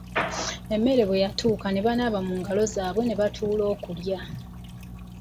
Emmere bwe yatuuka ne banaaba mungalo zaabwe ne batuula okulya.